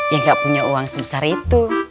ya gak punya uang sebesar itu